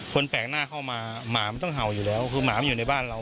แปลกหน้าเข้ามาหมามันต้องเห่าอยู่แล้วคือหมามันอยู่ในบ้านเรา